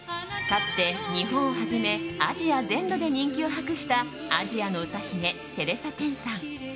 かつて日本をはじめアジア全土で人気を博したアジアの歌姫、テレサ・テンさん。